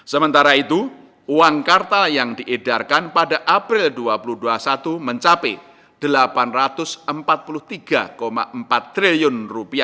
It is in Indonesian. sementara itu uang kartal yang diedarkan pada april dua ribu dua puluh satu mencapai rp delapan ratus empat puluh tiga empat triliun